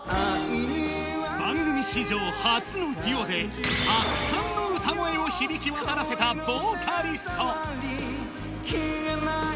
番組史上初のデュオで、圧巻の歌声を響き渡らせたヴォーカリスト。